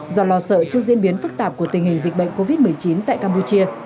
do lo sợ trước diễn biến phức tạp của tình hình dịch bệnh covid một mươi chín tại campuchia